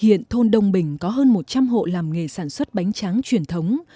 hiện thôn đông bình có hơn một trăm linh hộ làm nghề sản xuất bánh tráng truyền thống